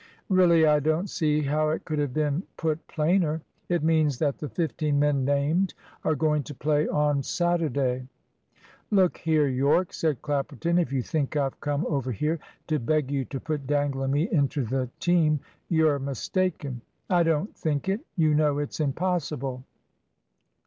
"Really I don't see how it could have been put plainer. It means that the fifteen men named are going to play on Saturday." "Look here, Yorke," said Clapperton, "if you think I've come over here to beg you to put Dangle and me into the team, you're mistaken " "I don't think it. You know it's impossible."